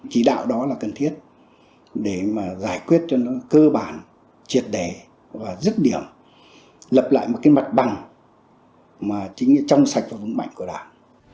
chỉ đạo đó là cần thiết để mà giải quyết cho nó cơ bản triệt đẻ và dứt điểm lập lại một cái mặt bằng mà chính là trong sạch và vững mạnh của đảng